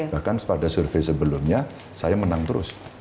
bahkan pada survei sebelumnya saya menang terus